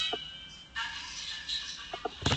Premio Mate.ar de Plata.